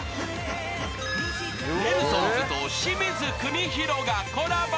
［ネルソンズと清水邦広がコラボ］